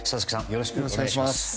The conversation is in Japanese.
よろしくお願いします。